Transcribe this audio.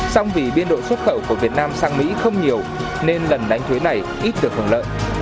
song vì biên độ xuất khẩu của việt nam sang mỹ không nhiều nên lần đánh thuế này ít được hưởng lợi